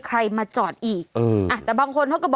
วันนี้จะเป็นวันนี้